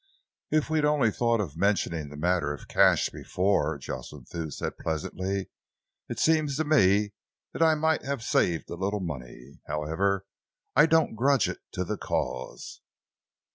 "If we'd only thought of mentioning the matter of cash before," Jocelyn Thew said pleasantly, "it seems to me that I might have saved a little money. However, I don't grudge it to the cause."